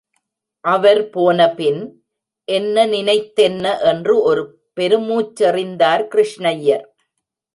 அவர் போனபின், என்ன நினைத்தென்ன என்று ஒரு பெருமூச்செறிந்தார் கிருஷ்ணய்யர்.